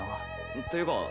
っていうか何だ？